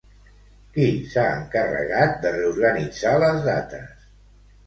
Qui s'ha encarregat de reorganitzar les dates?